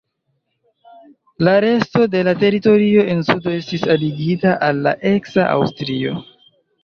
La resto de la teritorio en sudo estis aligita al la eksa Aŭstrio.